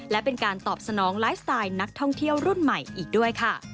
และเป็นการตอบสนองไลฟ์สไตล์นักท่องเที่ยวรุ่นใหม่อีกด้วยค่ะ